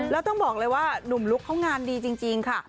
แล้วต้องบอกเลยว่าหนุ่มลุกเขางานดีจริงค่ะ